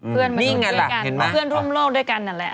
เพื่อนมาวิ่งด้วยกันเพื่อนร่วมโลกด้วยกันนั่นแหละ